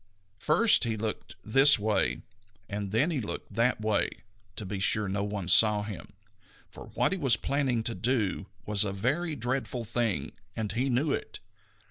First he looked this way, and then he looked that way, to be sure that no one saw him, for what he was planning to do was a very dreadful thing, and he knew it.